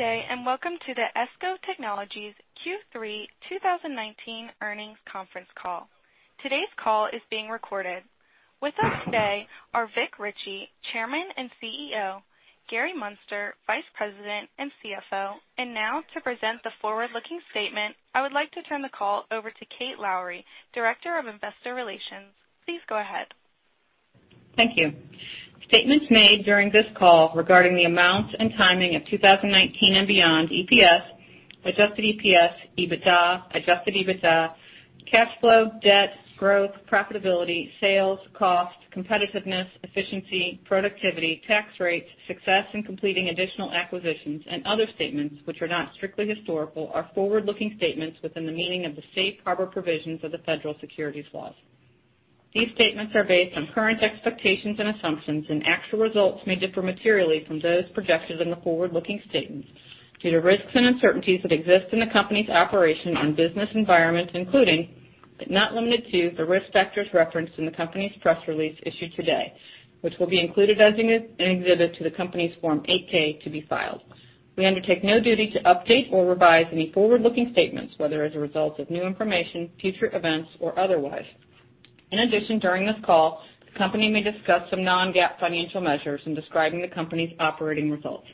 Good day and welcome to the ESCO Technologies Q3 2019 earnings conference call. Today's call is being recorded. With us today are Vic Richey, Chairman and CEO, Gary Muenster, Vice President and CFO, and now to present the forward-looking statement, I would like to turn the call over to Kate Lowrey, Director of Investor Relations. Please go ahead. Thank you. Statements made during this call regarding the amounts and timing of 2019 and beyond EPS, adjusted EPS, EBITDA, adjusted EBITDA, cash flow, debt, growth, profitability, sales, cost, competitiveness, efficiency, productivity, tax rates, success in completing additional acquisitions, and other statements which are not strictly historical are forward-looking statements within the meaning of the safe harbor provisions of the Federal Securities Laws. These statements are based on current expectations and assumptions, and actual results may differ materially from those projected in the forward-looking statements due to risks and uncertainties that exist in the company's operation and business environment, including, but not limited to, the risk factors referenced in the company's press release issued today, which will be included as an exhibit to the company's Form 8-K to be filed. We undertake no duty to update or revise any forward-looking statements, whether as a result of new information, future events, or otherwise. In addition, during this call, the company may discuss some non-GAAP financial measures in describing the company's operating results.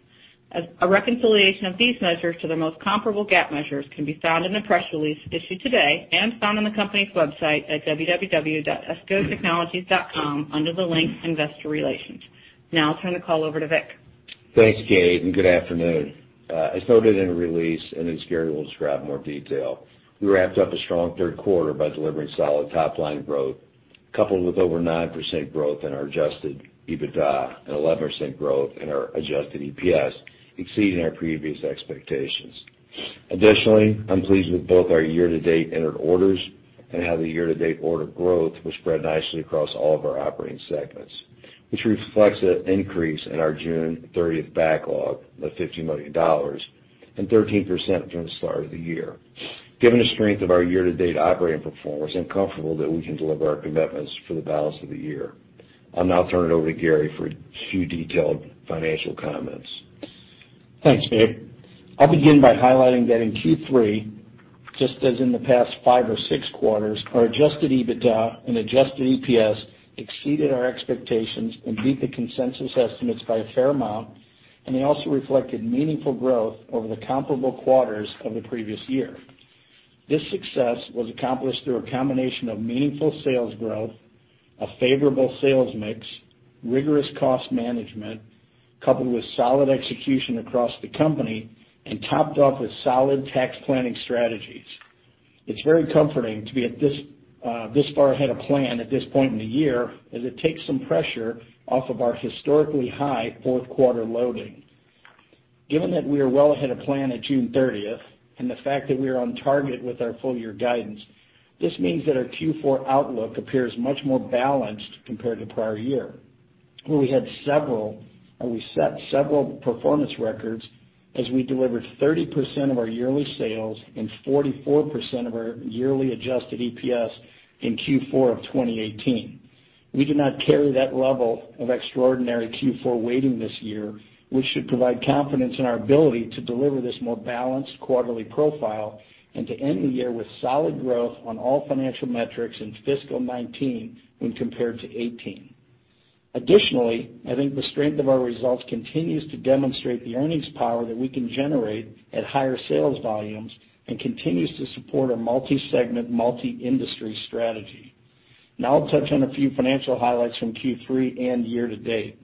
A reconciliation of these measures to their most comparable GAAP measures can be found in the press release issued today and found on the company's website at www.escotechnologies.com under the link investor relations. Now I'll turn the call over to Vic. Thanks, Kate, and good afternoon. As noted in the release, and as Gary will describe in more detail, we wrapped up a strong third quarter by delivering solid top-line growth, coupled with over 9% growth in our adjusted EBITDA and 11% growth in our adjusted EPS, exceeding our previous expectations. Additionally, I'm pleased with both our year-to-date entered orders and how the year-to-date order growth was spread nicely across all of our operating segments, which reflects an increase in our June 30th backlog of $50 million and 13% from the start of the year. Given the strength of our year-to-date operating performance, I'm comfortable that we can deliver our commitments for the balance of the year. I'll now turn it over to Gary for a few detailed financial comments. Thanks, Vic. I'll begin by highlighting that in Q3, just as in the past five or six quarters, our adjusted EBITDA and adjusted EPS exceeded our expectations and beat the consensus estimates by a fair amount, and they also reflected meaningful growth over the comparable quarters of the previous year. This success was accomplished through a combination of meaningful sales growth, a favorable sales mix, rigorous cost management, coupled with solid execution across the company, and topped off with solid tax planning strategies. It's very comforting to be this far ahead of plan at this point in the year, as it takes some pressure off of our historically high fourth quarter loading. Given that we are well ahead of plan at June 30th and the fact that we are on target with our full-year guidance, this means that our Q4 outlook appears much more balanced compared to prior year, where we had several or we set several performance records as we delivered 30% of our yearly sales and 44% of our yearly adjusted EPS in Q4 of 2018. We do not carry that level of extraordinary Q4 weighting this year, which should provide confidence in our ability to deliver this more balanced quarterly profile and to end the year with solid growth on all financial metrics in fiscal 2019 when compared to 2018. Additionally, I think the strength of our results continues to demonstrate the earnings power that we can generate at higher sales volumes and continues to support our multi-segment, multi-industry strategy. Now I'll touch on a few financial highlights from Q3 and year-to-date.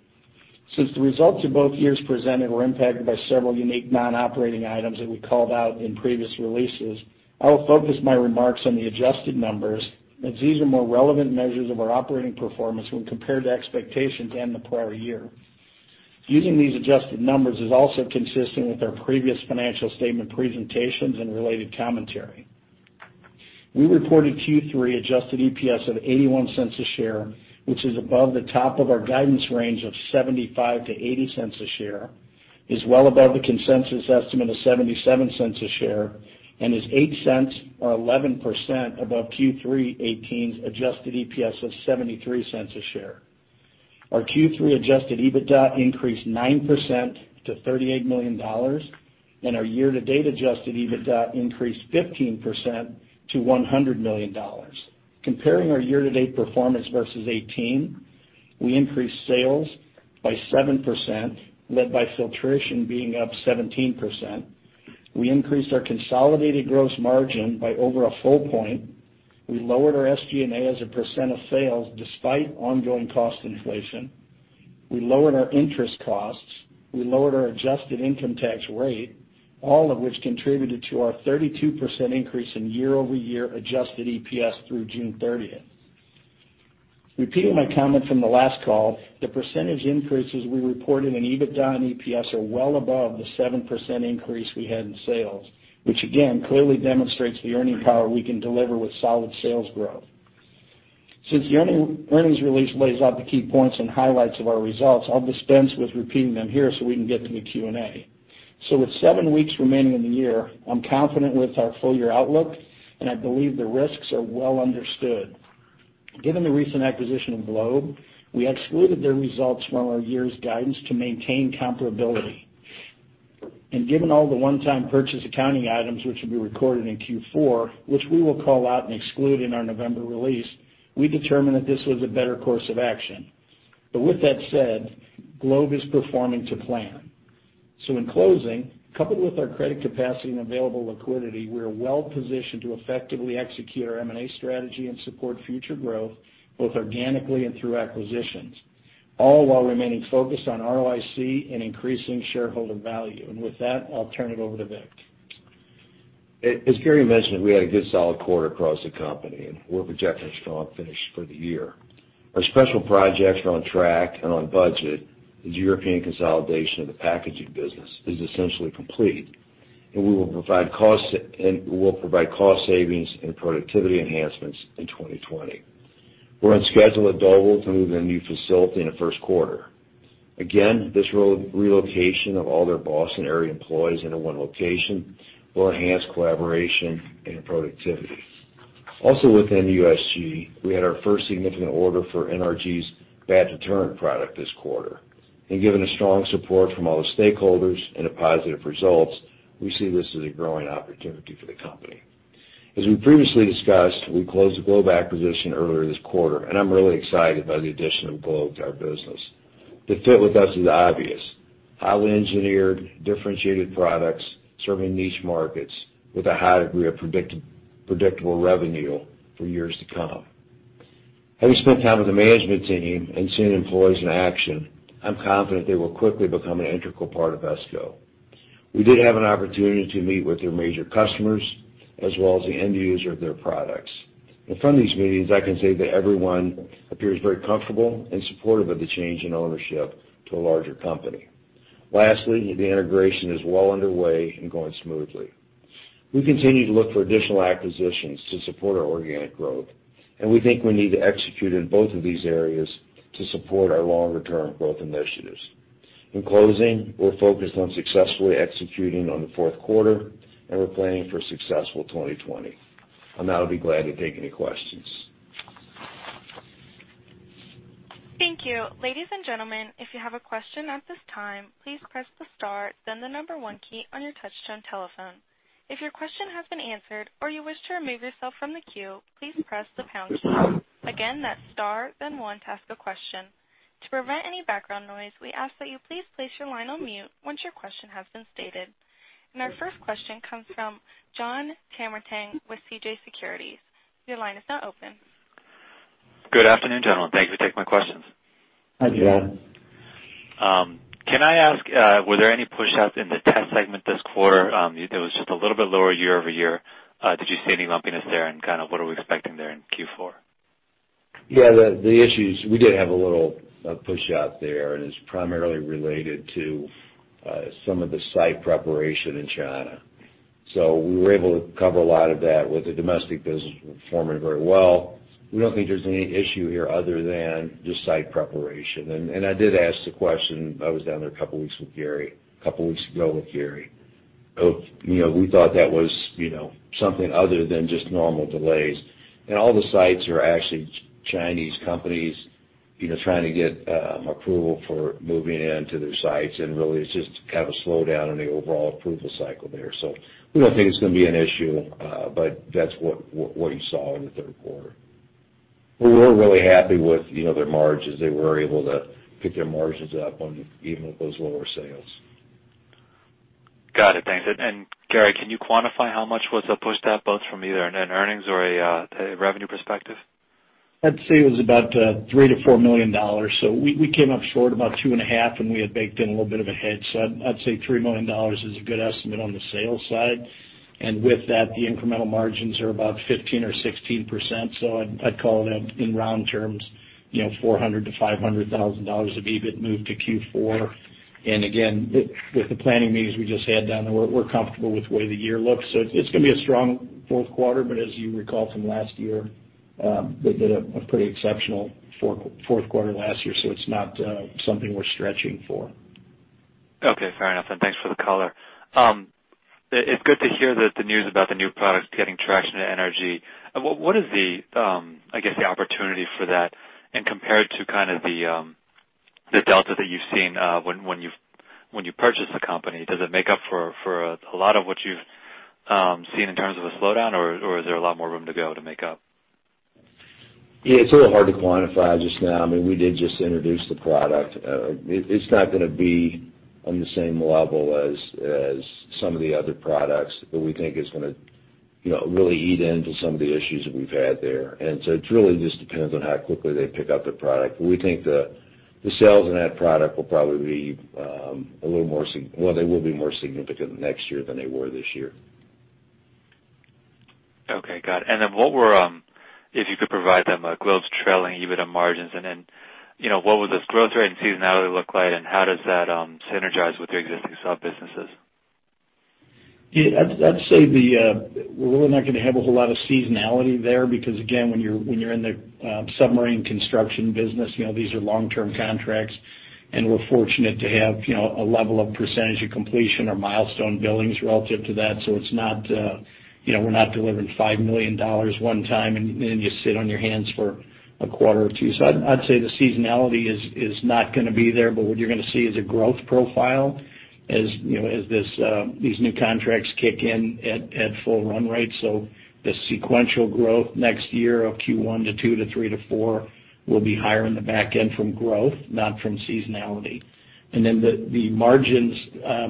Since the results of both years presented were impacted by several unique non-operating items that we called out in previous releases, I will focus my remarks on the adjusted numbers, as these are more relevant measures of our operating performance when compared to expectations and the prior year. Using these adjusted numbers is also consistent with our previous financial statement presentations and related commentary. We reported Q3 adjusted EPS of $0.81 a share, which is above the top of our guidance range of $0.75-$0.80 a share, is well above the consensus estimate of $0.77 a share, and is $0.08 or 11% above Q3 2018's adjusted EPS of $0.73 a share. Our Q3 adjusted EBITDA increased 9% to $38 million, and our year-to-date adjusted EBITDA increased 15% to $100 million. Comparing our year-to-date performance versus 2018, we increased sales by 7%, led by filtration being up 17%. We increased our consolidated gross margin by over a full point. We lowered our SG&A as a percent of sales despite ongoing cost inflation. We lowered our interest costs. We lowered our adjusted income tax rate, all of which contributed to our 32% increase in year-over-year adjusted EPS through June 30th. Repeating my comment from the last call, the percentage increases we reported in EBITDA and EPS are well above the 7% increase we had in sales, which again clearly demonstrates the earning power we can deliver with solid sales growth. Since the earnings release lays out the key points and highlights of our results, I'll dispense with repeating them here so we can get to the Q&A. So with seven weeks remaining in the year, I'm confident with our full-year outlook, and I believe the risks are well understood. Given the recent acquisition of Globe, we excluded their results from our year's guidance to maintain comparability. And given all the one-time purchase accounting items, which will be recorded in Q4, which we will call out and exclude in our November release, we determined that this was a better course of action. But with that said, Globe is performing to plan. So in closing, coupled with our credit capacity and available liquidity, we are well positioned to effectively execute our M&A strategy and support future growth both organically and through acquisitions, all while remaining focused on ROIC and increasing shareholder value. And with that, I'll turn it over to Vic. As Gary mentioned, we had a good solid quarter across the company, and we're projecting a strong finish for the year. Our special projects are on track and on budget. The European consolidation of the packaging business is essentially complete, and we will provide cost savings and productivity enhancements in 2020. We're on schedule at Doble to move in a new facility in the first quarter. Again, this relocation of all their Boston area employees into one location will enhance collaboration and productivity. Also within USG, we had our first significant order for NRG's Bat Deterrent product this quarter. And given the strong support from all the stakeholders and the positive results, we see this as a growing opportunity for the company. As we previously discussed, we closed a Globe acquisition earlier this quarter, and I'm really excited by the addition of Globe to our business. The fit with us is obvious: highly engineered, differentiated products serving niche markets with a high degree of predictable revenue for years to come. Having spent time with the management team and seeing employees in action, I'm confident they will quickly become an integral part of ESCO. We did have an opportunity to meet with their major customers as well as the end user of their products. And from these meetings, I can say that everyone appears very comfortable and supportive of the change in ownership to a larger company. Lastly, the integration is well underway and going smoothly. We continue to look for additional acquisitions to support our organic growth, and we think we need to execute in both of these areas to support our longer-term growth initiatives. In closing, we're focused on successfully executing on the fourth quarter, and we're planning for a successful 2020. I'm now going to be glad to take any questions. Thank you. Ladies and gentlemen, if you have a question at this time, please press the star, then the number one key on your touch-tone telephone. If your question has been answered or you wish to remove yourself from the queue, please press the pound key. Again, that's star, then one, to ask a question. To prevent any background noise, we ask that you please place your line on mute once your question has been stated. And our first question comes from Jon Tanwanteng with CJS Securities. Your line is now open. Good afternoon, gentlemen. Thank you for taking my questions. Hi, Jon. Can I ask, were there any pushouts in the test segment this quarter? It was just a little bit lower year-over-year. Did you see any lumpiness there, and kind of what are we expecting there in Q4? Yeah, the issues we did have a little pushout there, and it's primarily related to some of the site preparation in China. So we were able to cover a lot of that with the domestic business performing very well. We don't think there's any issue here other than just site preparation. And I did ask the question. I was down there a couple of weeks ago with Gary. We thought that was something other than just normal delays. And all the sites are actually Chinese companies trying to get approval for moving into their sites, and really it's just kind of a slowdown in the overall approval cycle there. So we don't think it's going to be an issue, but that's what you saw in the third quarter. But we're really happy with their margins. They were able to pick their margins up even with those lower sales. Got it. Thanks. And Gary, can you quantify how much was the pushout both from either an earnings or a revenue perspective? I'd say it was about $3 million-$4 million. So we came up short about 2.5, and we had baked in a little bit of a head. So I'd say $3 million is a good estimate on the sales side. And with that, the incremental margins are about 15%-16%. So I'd call it, in round terms, $400,000-$500,000 of EBIT moved to Q4. And again, with the planning meetings we just had down there, we're comfortable with the way the year looks. So it's going to be a strong fourth quarter, but as you recall from last year, they did a pretty exceptional fourth quarter last year, so it's not something we're stretching for. Okay. Fair enough. Then thanks for the caller. It's good to hear the news about the new products getting traction at NRG. What is, I guess, the opportunity for that and compared to kind of the delta that you've seen when you purchased the company? Does it make up for a lot of what you've seen in terms of a slowdown, or is there a lot more room to go to make up? Yeah, it's a little hard to quantify just now. I mean, we did just introduce the product. It's not going to be on the same level as some of the other products, but we think it's going to really eat into some of the issues that we've had there. And so it really just depends on how quickly they pick up the product. But we think the sales on that product will probably be a little more well, they will be more significant next year than they were this year. Okay. Got it. And then what were, if you could provide them, a Globe's trailing EBITDA margins, and then what would this growth rate and seasonality look like, and how does that synergize with your existing sub-businesses? Yeah, I'd say we're not going to have a whole lot of seasonality there because, again, when you're in the submarine construction business, these are long-term contracts, and we're fortunate to have a level of percentage of completion or milestone billings relative to that. So it's not we're not delivering $5 million one time, and then you sit on your hands for a quarter or two. So I'd say the seasonality is not going to be there, but what you're going to see is a growth profile as these new contracts kick in at full run rates. So the sequential growth next year of Q1 to Q2 to Q3 to Q4 will be higher in the back end from growth, not from seasonality. And then the margins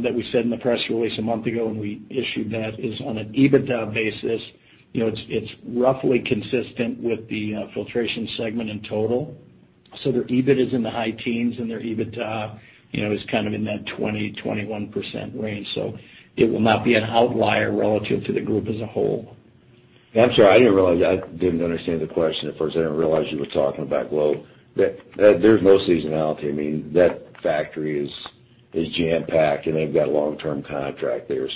that we said in the press release a month ago when we issued that is on an EBITDA basis. It's roughly consistent with the filtration segment in total. So their EBIT is in the high teens, and their EBITDA is kind of in that 20%-21% range. So it will not be an outlier relative to the group as a whole. I'm sorry. I didn't realize I didn't understand the question at first. I didn't realize you were talking about Globe. There's no seasonality. I mean, that factory is jam-packed, and they've got a long-term contract there.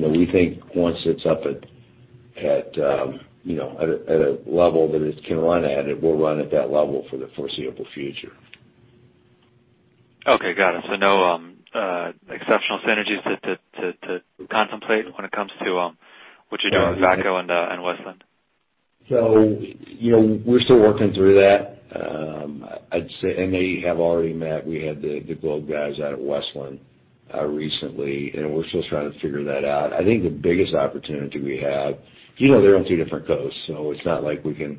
So we think once it's up at a level that it can run at, it will run at that level for the foreseeable future. Okay. Got it. So no exceptional synergies to contemplate when it comes to what you're doing with VACCO and Westland? So we're still working through that, I'd say, and they have already met. We had the Globe guys out at Westland recently, and we're still trying to figure that out. I think the biggest opportunity we have they're on two different coasts, so it's not like we can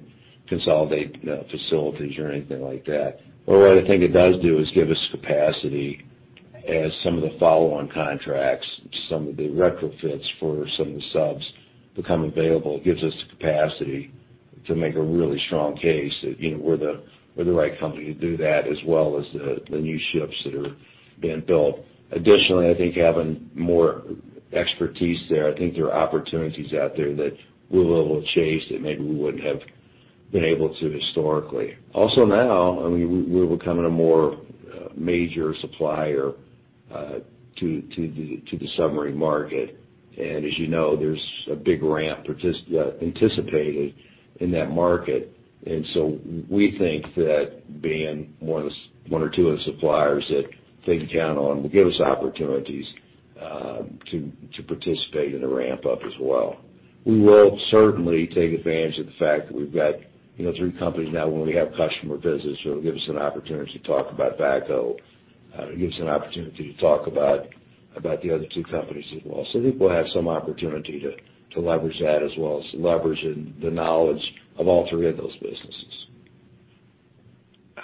consolidate facilities or anything like that. But what I think it does do is give us capacity as some of the follow-on contracts, some of the retrofits for some of the subs become available, gives us the capacity to make a really strong case that we're the right company to do that as well as the new ships that are being built. Additionally, I think having more expertise there, I think there are opportunities out there that we'll be able to chase that maybe we wouldn't have been able to historically. Also now, I mean, we're becoming a more major supplier to the submarine market. And as you know, there's a big ramp anticipated in that market. And so we think that being one or two of the suppliers that they can count on will give us opportunities to participate in the ramp-up as well. We will certainly take advantage of the fact that we've got three companies now when we have customer visits, so it'll give us an opportunity to talk about VACCO. It'll give us an opportunity to talk about the other two companies as well. So I think we'll have some opportunity to leverage that as well as leveraging the knowledge of all three of those businesses.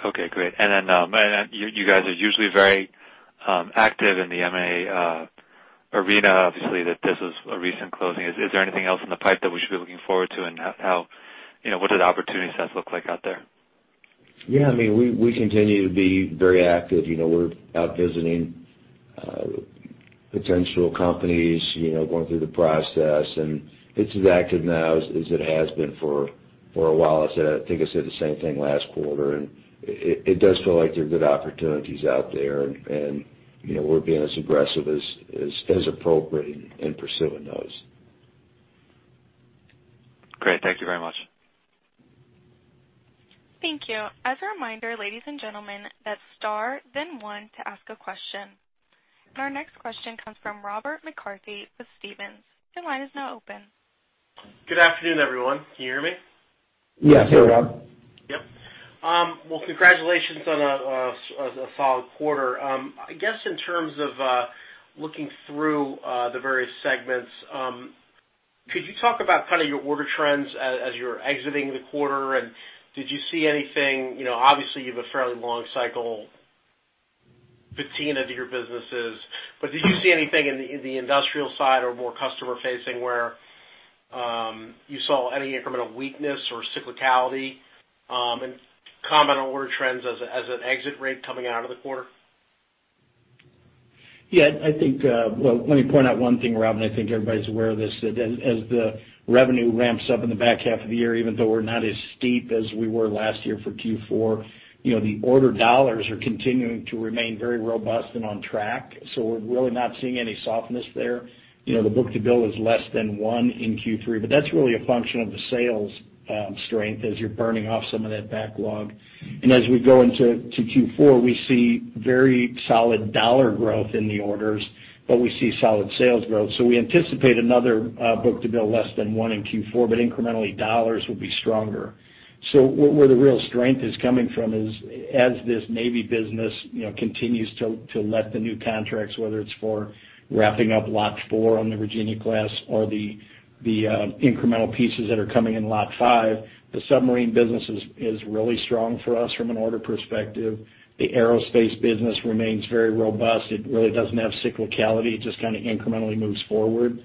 Okay. Great. And then you guys are usually very active in the M&A arena, obviously, that this is a recent closing. Is there anything else in the pipe that we should be looking forward to, and what do the opportunity sets look like out there? Yeah. I mean, we continue to be very active. We're out visiting potential companies, going through the process, and it's as active now as it has been for a while. I think I said the same thing last quarter, and it does feel like there are good opportunities out there, and we're being as aggressive as appropriate in pursuing those. Great. Thank you very much. Thank you. As a reminder, ladies and gentlemen, that's star, then one, to ask a question. And our next question comes from Robert McCarthy with Stephens. Your line is now open. Good afternoon, everyone. Can you hear me? Yes. Hey, Rob. Yep. Well, congratulations on a solid quarter. I guess in terms of looking through the various segments, could you talk about kind of your order trends as you're exiting the quarter? And did you see anything? Obviously, you have a fairly long cycle pattern to your businesses, but did you see anything in the industrial side or more customer-facing where you saw any incremental weakness or cyclicality and comment on order trends as an exit rate coming out of the quarter? Yeah. Well, let me point out one thing, Rob, and I think everybody's aware of this. As the revenue ramps up in the back half of the year, even though we're not as steep as we were last year for Q4, the order dollars are continuing to remain very robust and on track. So we're really not seeing any softness there. The book-to-bill is less than one in Q3, but that's really a function of the sales strength as you're burning off some of that backlog. And as we go into Q4, we see very solid dollar growth in the orders, but we see solid sales growth. So we anticipate another book-to-bill less than one in Q4, but incrementally, dollars will be stronger. So where the real strength is coming from is as this Navy business continues to let the new contracts, whether it's for wrapping up Lot 4 on the Virginia-class or the incremental pieces that are coming in Lot 5. The submarine business is really strong for us from an order perspective. The aerospace business remains very robust. It really doesn't have cyclicality. It just kind of incrementally moves forward.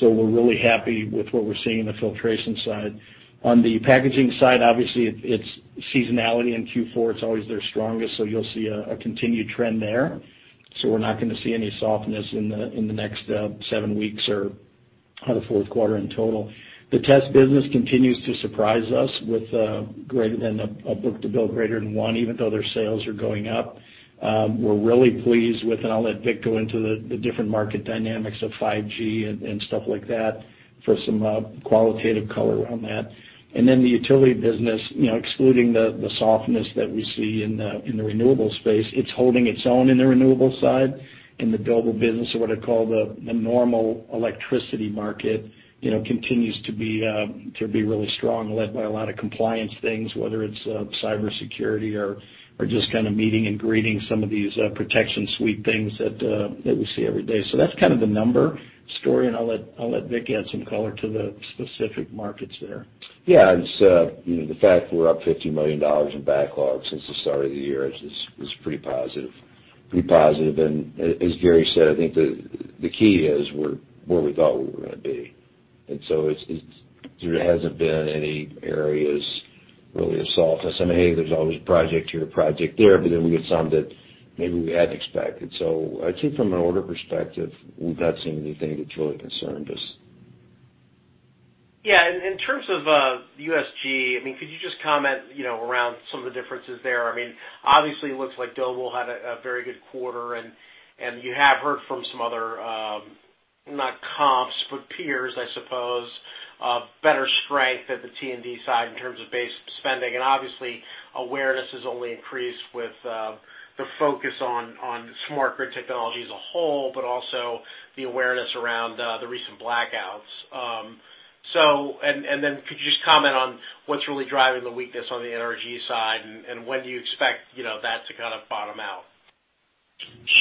So we're really happy with what we're seeing in the filtration side. On the packaging side, obviously, it's seasonality in Q4. It's always their strongest, so you'll see a continued trend there. So we're not going to see any softness in the next seven weeks or the fourth quarter in total. The test business continues to surprise us with greater than a book-to-bill greater than one, even though their sales are going up. We're really pleased with, and I'll let Vic go into the different market dynamics of 5G and stuff like that for some qualitative color on that. And then the utility business, excluding the softness that we see in the renewable space, it's holding its own in the renewable side. And the billable business, or what I call the normal electricity market, continues to be really strong, led by a lot of compliance things, whether it's cybersecurity or just kind of meeting and greeting some of these Protection Suite things that we see every day. So that's kind of the number story, and I'll let Vic add some color to the specific markets there. Yeah. And the fact we're up $50 million in backlog since the start of the year is pretty positive. Pretty positive. And as Gary said, I think the key is where we thought we were going to be. And so there hasn't been any areas really of softness. I mean, hey, there's always a project here, a project there, but then we get some that maybe we hadn't expected. So I'd say from an order perspective, we've not seen anything that's really concerned us. Yeah. And in terms of USG, I mean, could you just comment around some of the differences there? I mean, obviously, it looks like Doble had a very good quarter, and you have heard from some other not comps, but peers, I suppose, better strength at the T&D side in terms of base spending. And obviously, awareness has only increased with the focus on smart grid technology as a whole, but also the awareness around the recent blackouts. And then could you just comment on what's really driving the weakness on the NRG side, and when do you expect that to kind of bottom out?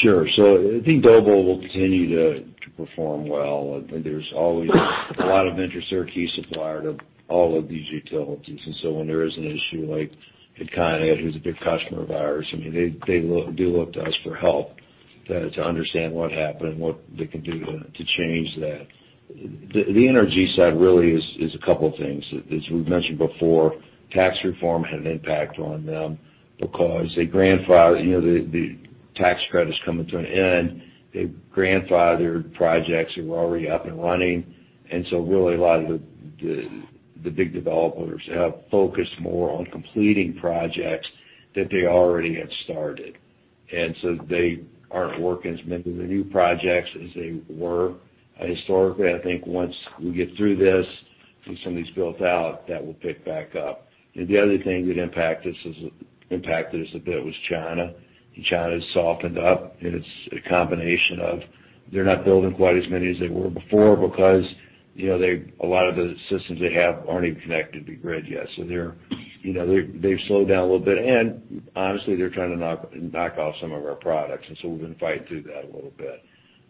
Sure. So I think Doble will continue to perform well. I think there's always a lot of interest there. Key supplier to all of these utilities. And so when there is an issue like it kind of hit who's a big customer of ours, I mean, they do look to us for help to understand what happened and what they can do to change that. The NRG side really is a couple of things. As we've mentioned before, tax reform had an impact on them because they grandfathered the tax credit's coming to an end. They grandfathered projects that were already up and running. And so really, a lot of the big developers have focused more on completing projects that they already had started. And so they aren't working as many of the new projects as they were. Historically, I think once we get through this, once some of these built out, that will pick back up. The other thing that impacted us a bit was China. China has softened up, and it's a combination of they're not building quite as many as they were before because a lot of the systems they have aren't even connected to the grid yet. So they've slowed down a little bit. Honestly, they're trying to knock off some of our products, and so we've been fighting through that a little bit.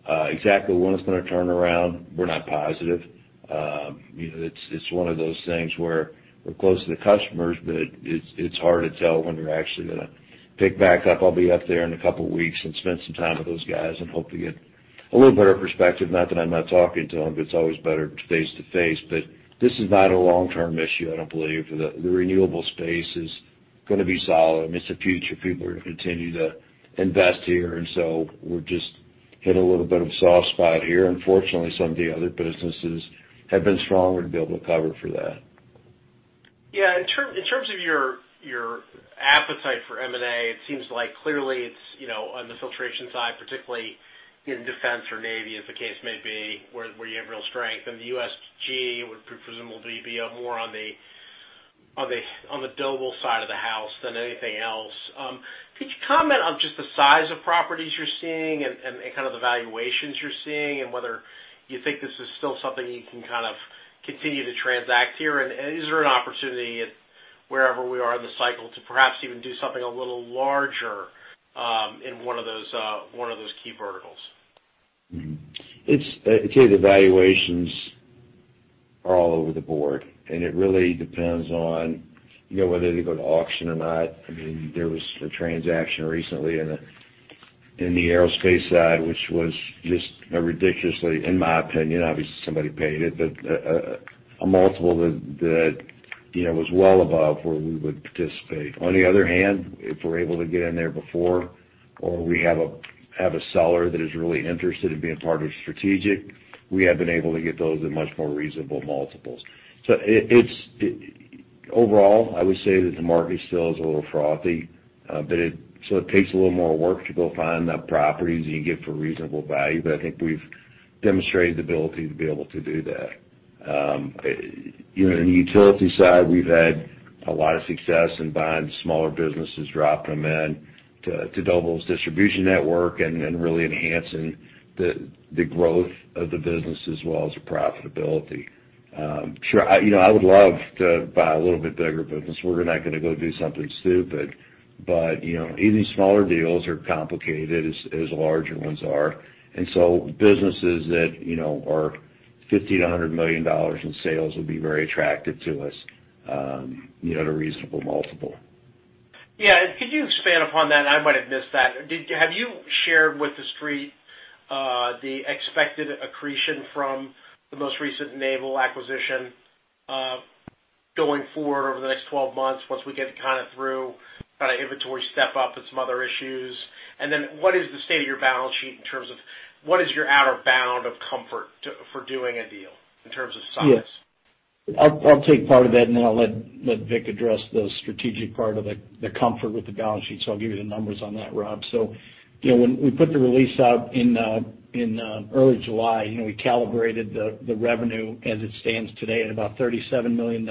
Exactly when it's going to turn around, we're not positive. It's one of those things where we're close to the customers, but it's hard to tell when they're actually going to pick back up. I'll be up there in a couple of weeks and spend some time with those guys and hope to get a little better perspective. Not that I'm not talking to them, but it's always better face-to-face. But this is not a long-term issue, I don't believe. The renewable space is going to be solid. I mean, it's the future. People are going to continue to invest here, and so we're just hit a little bit of a soft spot here. Unfortunately, some of the other businesses have been stronger to be able to cover for that. Yeah. In terms of your appetite for M&A, it seems like clearly it's on the filtration side, particularly in defense or navy, as the case may be, where you have real strength. The USG would presumably be more on the Doble side of the house than anything else. Could you comment on just the size of properties you're seeing and kind of the valuations you're seeing and whether you think this is still something you can kind of continue to transact here? Is there an opportunity wherever we are in the cycle to perhaps even do something a little larger in one of those key verticals? I'd say the valuations are all over the board, and it really depends on whether they go to auction or not. I mean, there was a transaction recently in the aerospace side, which was just ridiculously, in my opinion, obviously, somebody paid it, but a multiple that was well above where we would participate. On the other hand, if we're able to get in there before or we have a seller that is really interested in being part of strategic, we have been able to get those at much more reasonable multiples. So overall, I would say that the market still is a little frothy, so it takes a little more work to go find the properties that you get for reasonable value. But I think we've demonstrated the ability to be able to do that. On the utility side, we've had a lot of success in buying smaller businesses, dropping them in to Doble's distribution network, and really enhancing the growth of the business as well as the profitability. Sure. I would love to buy a little bit bigger business. We're not going to go do something stupid, but even smaller deals are complicated as larger ones are. And so businesses that are $15 million-$100 million in sales would be very attractive to us at a reasonable multiple. Yeah. Could you expand upon that? I might have missed that. Have you shared with the Street the expected accretion from the most recent naval acquisition going forward over the next 12 months once we get kind of through kind of inventory step-up and some other issues? Then what is the state of your balance sheet in terms of what is your outer bound of comfort for doing a deal in terms of size? Yes. I'll take part of that, and then I'll let Vic address the strategic part of the comfort with the balance sheet. So I'll give you the numbers on that, Rob. So when we put the release out in early July, we calibrated the revenue as it stands today at about $37 million.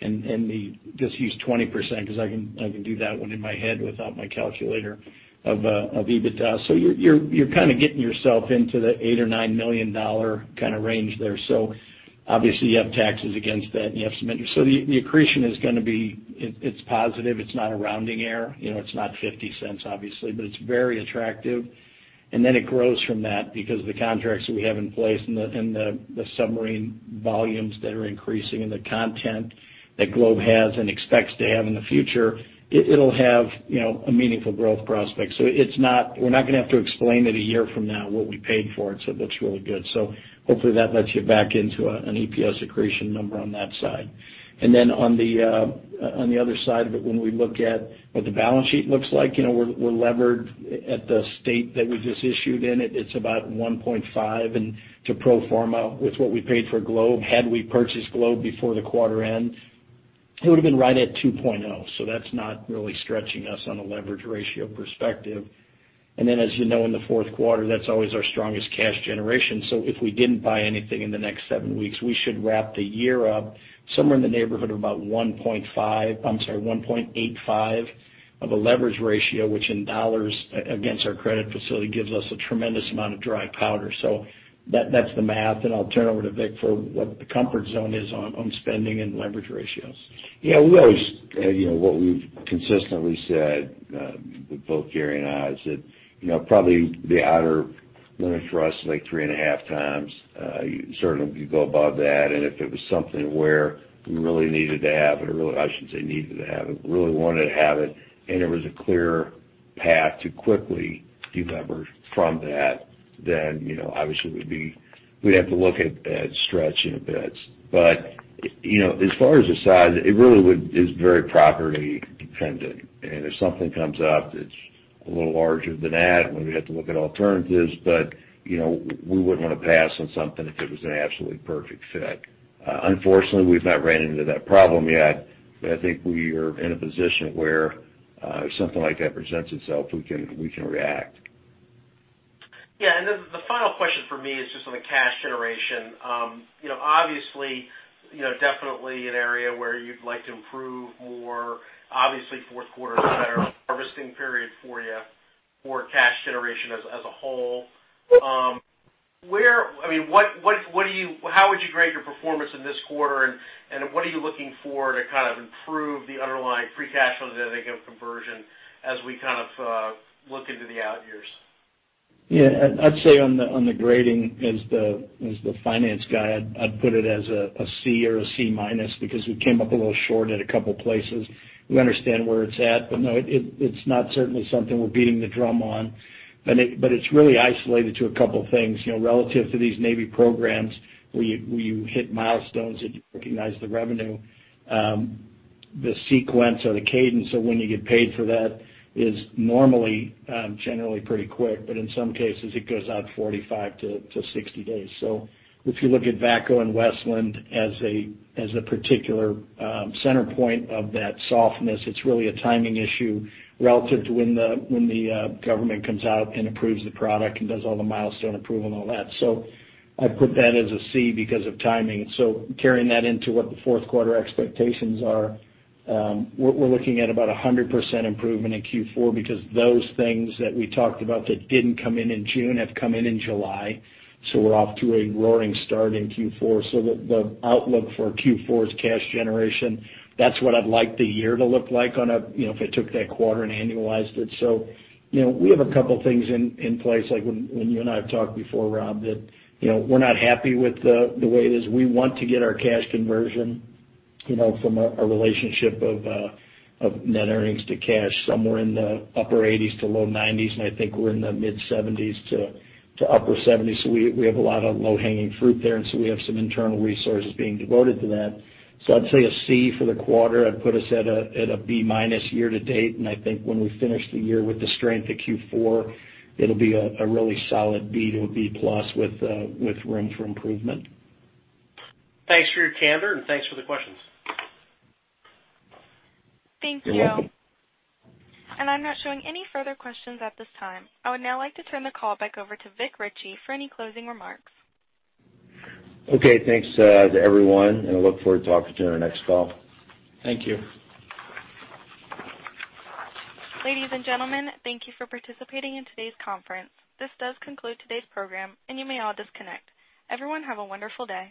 And just use 20% because I can do that one in my head without my calculator of EBITDA. So you're kind of getting yourself into the $8 million or $9 million kind of range there. So obviously, you have taxes against that, and you have some interest. So the accretion is going to be it's positive. It's not a rounding error. It's not $0.50, obviously, but it's very attractive. And then it grows from that because the contracts that we have in place and the submarine volumes that are increasing and the content that Globe has and expects to have in the future, it'll have a meaningful growth prospect. So we're not going to have to explain it a year from now, what we paid for it. So it looks really good. So hopefully, that lets you back into an EPS accretion number on that side. And then on the other side of it, when we look at what the balance sheet looks like, we're levered at the state that we just issued in it. It's about 1.5. And to pro forma, with what we paid for Globe, had we purchased Globe before the quarter end, it would have been right at 2.0. So that's not really stretching us on a leverage ratio perspective. Then as you know, in the fourth quarter, that's always our strongest cash generation. So if we didn't buy anything in the next seven weeks, we should wrap the year up somewhere in the neighborhood of about 1.5. I'm sorry, 1.85 of a leverage ratio, which in dollars against our credit facility gives us a tremendous amount of dry powder. So that's the math. And I'll turn over to Vic for what the comfort zone is on spending and leverage ratios. Yeah. What we've consistently said with both Gary and I is that probably the outer limit for us is like 3.5x. Certainly, we could go above that. And if it was something where we really needed to have it or really, I shouldn't say needed to have it, really wanted to have it, and there was a clear path to quickly from that, then obviously, we'd have to look at stretching a bit. But as far as the size, it really is very property-dependent. And if something comes up that's a little larger than that, we'd have to look at alternatives. But we wouldn't want to pass on something if it was an absolutely perfect fit. Unfortunately, we've not ran into that problem yet, but I think we are in a position where if something like that presents itself, we can react. Yeah. And the final question for me is just on the cash generation. Obviously, definitely an area where you'd like to improve more. Obviously, fourth quarter is a better harvesting period for you for cash generation as a whole. I mean, how would you grade your performance in this quarter, and what are you looking for to kind of improve the underlying free cash flow that they get from conversion as we kind of look into the out years? Yeah. I'd say on the grading, as the finance guy, I'd put it as a C or a C- because we came up a little short at a couple of places. We understand where it's at, but no, it's not certainly something we're beating the drum on. But it's really isolated to a couple of things. Relative to these navy programs, where you hit milestones that you recognize the revenue, the sequence or the cadence of when you get paid for that is generally pretty quick. But in some cases, it goes out 45-60 days. So if you look at VACCO and Westland as a particular center point of that softness, it's really a timing issue relative to when the government comes out and approves the product and does all the milestone approval and all that. So I'd put that as a C because of timing. So carrying that into what the fourth quarter expectations are, we're looking at about 100% improvement in Q4 because those things that we talked about that didn't come in in June have come in in July. So we're off to a roaring start in Q4. So the outlook for Q4's cash generation, that's what I'd like the year to look like on a if I took that quarter and annualized it. So we have a couple of things in place, like when you and I have talked before, Rob, that we're not happy with the way it is. We want to get our cash conversion from a relationship of net earnings to cash somewhere in the upper 80s to low 90s. And I think we're in the mid-70s to upper 70s. So we have a lot of low-hanging fruit there, and so we have some internal resources being devoted to that. So I'd say a C for the quarter. I'd put us at a B- year to date. And I think when we finish the year with the strength of Q4, it'll be a really solid B to a B+ with room for improvement. Thanks for your candor, and thanks for the questions. Thank you. I'm not showing any further questions at this time. I would now like to turn the call back over to Vic Richey for any closing remarks. Okay. Thanks to everyone, and I look forward to talking to you on our next call. Thank you. Ladies and gentlemen, thank you for participating in today's conference. This does conclude today's program, and you may all disconnect. Everyone, have a wonderful day.